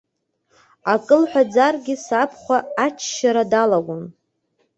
Акы лҳәаӡаргьы, сабхәа аччара далагон.